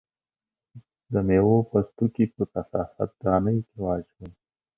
د مېوو پوستکي په کثافاتدانۍ کې واچوئ.